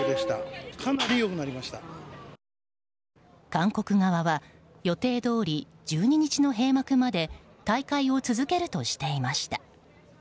韓国側は予定どおり１２日の閉幕まで大会を続けるとしていました。